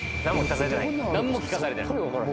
なんも聞かされてないん？